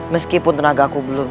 meskipun tenagaku belum